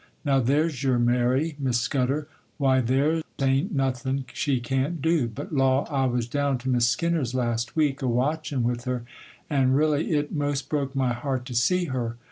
Now there's your Mary, Miss Scudder,—why, there a'n't nothin' she can't do: but law, I was down to Miss Skinner's, last week, a watchin' with her, and re'lly it 'most broke my heart to see her.